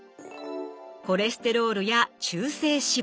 コレステロールや中性脂肪。